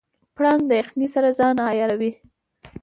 پړانګ د یخنۍ سره ځان عیاروي.